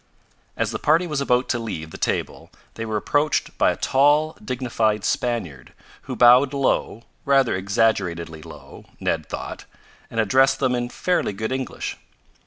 As the party was about to leave the table, they were approached by a tall, dignified Spaniard who bowed low, rather exaggeratedly low, Ned thought, and addressed them in fairly good English.